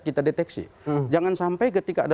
kita deteksi jangan sampai ketika ada